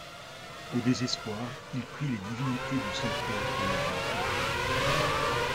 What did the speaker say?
Au désespoir, ils prient les divinités du sanctuaire de leur en accorder un.